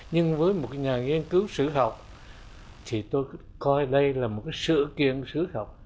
nhưng với một nhà nghiên cứu sử học thì tôi coi đây là một cái sự kiện sử học